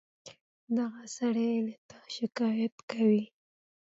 دغه سړى له تا شکايت کوي.